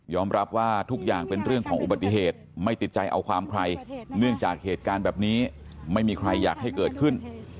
รับว่าทุกอย่างเป็นเรื่องของอุบัติเหตุไม่ติดใจเอาความใครเนื่องจากเหตุการณ์แบบนี้ไม่มีใครอยากให้เกิดขึ้น